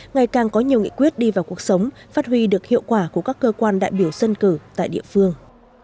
ngày càng có nhiều nghị quyết đi vào cuộc sống phát huy được hiệu quả của các cơ quan đại biểu dân cử tại địa phương